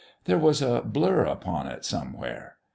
There was a blur upon it somewhere.